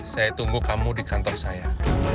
saya tunggu kamu di kantor saya